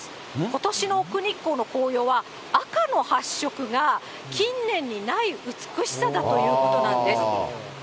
ことしの奥日光の紅葉は、赤の発色が近年にない美しさだということなんです。